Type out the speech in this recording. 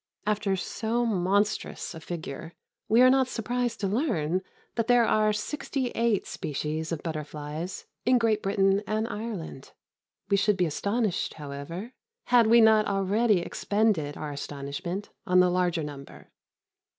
After so monstrous a figure, we are not surprised to learn that there are sixty eight species of butterflies in Great Britain and Ireland. We should be astonished, however, had we not already expended our astonishment on the larger number.